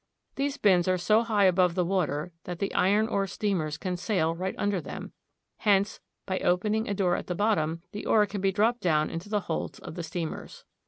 These bins are so high above the water that the iron ore steamers can sail right under them ; hence, by opening a door at the bottom, the ore can be dropped down into the holds of the steamers.